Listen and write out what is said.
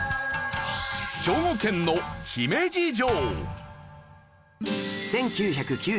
兵庫県の姫路城。